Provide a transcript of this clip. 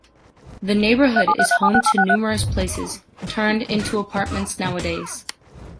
The neighborhood is home to numerous palaces, turned into apartments nowadays.